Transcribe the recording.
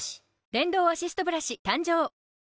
電動アシストブラシ誕生！